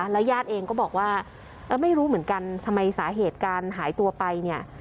ญาติเองก็บอกว่าไม่รู้เหมือนกันทำไมสาเหตุการหายตัวไปเนี่ย